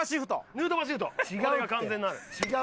ヌートバーシフトこれが完全なる。